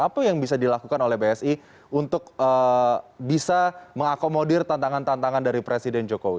apa yang bisa dilakukan oleh bsi untuk bisa mengakomodir tantangan tantangan dari presiden jokowi